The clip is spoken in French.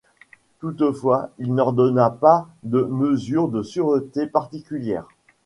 Toutefois il n’ordonna pas de mesures de sûreté particulières.